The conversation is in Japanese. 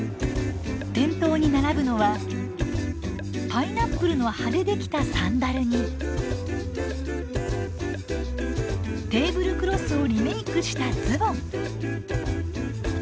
店頭に並ぶのはパイナップルの葉でできたサンダルにテーブルクロスをリメークしたズボン。